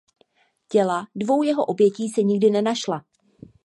Těla dvou jeho obětí se nikdy nenašla.